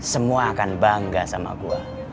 semua akan bangga sama gue